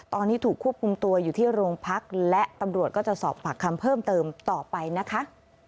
ตอนนี้ถูกควบคุมตัวอยู่ที่โรงพักและตำรวจก็จะสอบปากคำเพิ่มเติมต่อไปนะคะ